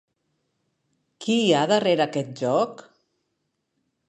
Qui hi ha darrere aquest joc?